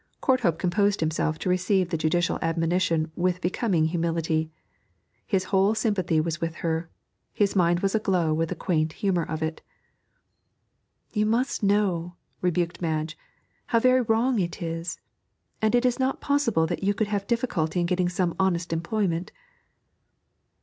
Courthope composed himself to receive the judicial admonition with becoming humility; his whole sympathy was with her, his mind was aglow with the quaint humour of it. 'You must know,' rebuked Madge, 'how very wrong it is; and it is not possible that you could have difficulty in getting some honest employment.'